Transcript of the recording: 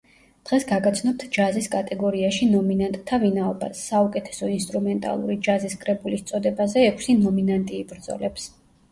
დღეს გაგაცნობთ ჯაზის კატეგორიაში ნომინანტთა ვინაობას: საუკეთესო ინსტრუმენტალური ჯაზის კრებულის წოდებაზე ექვსი ნომინანტი იბრძოლებს.